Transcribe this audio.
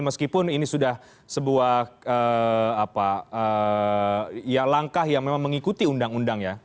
meskipun ini sudah sebuah langkah yang memang mengikuti undang undang ya